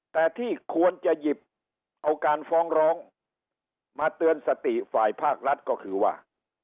แต่ที่ควรจะหยิบเอาการฟ้องร้องมาเตือนสติฝ่ายภาครัฐก็คือว่า